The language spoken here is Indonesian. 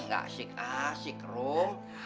nggak asik asik rum